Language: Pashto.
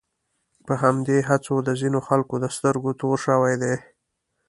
په همدې هڅو د ځینو خلکو د سترګو تور شوی دی.